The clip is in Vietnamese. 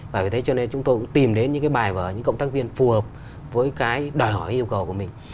và vì thế cho nên chúng tôi cũng tìm đến những cái bài và những cộng tác viên phù hợp với cái đòi hỏi yêu cầu của mình